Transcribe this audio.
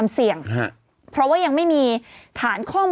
ส่วน